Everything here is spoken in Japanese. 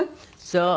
そう。